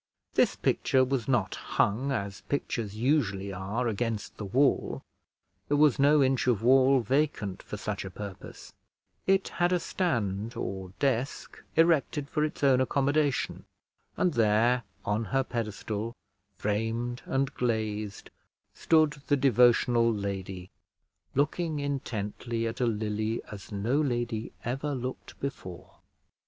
This picture was not hung, as pictures usually are, against the wall; there was no inch of wall vacant for such a purpose: it had a stand or desk erected for its own accommodation; and there on her pedestal, framed and glazed, stood the devotional lady looking intently at a lily as no lady ever looked before.